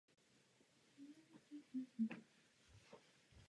To však bohové nemohli dopustit.